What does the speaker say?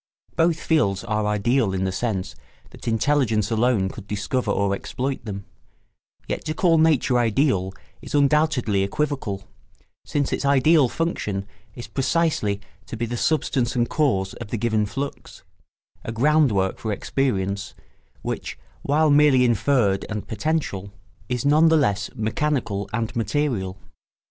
Both fields are ideal in the sense that intelligence alone could discover or exploit them; yet to call nature ideal is undoubtedly equivocal, since its ideal function is precisely to be the substance and cause of the given flux, a ground work for experience which, while merely inferred and potential, is none the less mechanical and material.